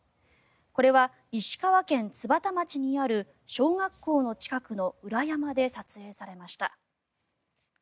これは石川県津幡町にある小学校の近くの裏山で撮影されました。